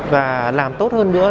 và làm tốt hơn nữa